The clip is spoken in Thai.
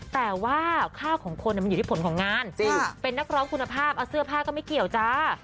แต่ว่าข้าวของคนมันอยู่ที่ผลของงานเป็นนักร้องคุณภาพเสื้อผ้าก็ไม่เกี่ยวจ้า